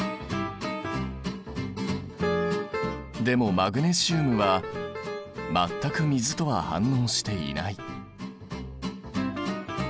でもマグネシウムは全く水とは反応していない。